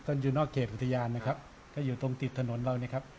อยู่นอกเขตอุทยานนะครับก็อยู่ตรงติดถนนเรานะครับ